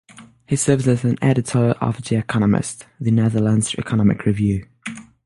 He serves as an editor of "De Economist" the "Netherlands Economic Review".